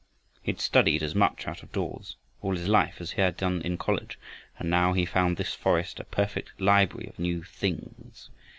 He had studied as much out of doors, all his life, as he had done in college, and now he found this forest a perfect library of new Things.